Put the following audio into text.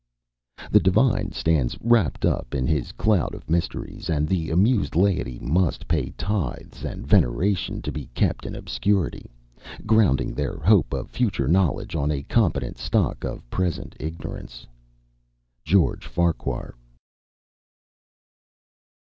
"The Divine stands wrapt up in his cloud of mysteries, and the amused Laity must pay Tithes and Veneration to be kept in obscurity, grounding their hope of future knowledge on a competent stock of present ignorance." George Farquhar.